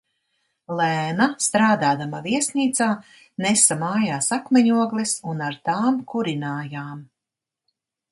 Lēna, strādādama viesnīcā, nesa mājās akmeņogles un ar tām kurinājām.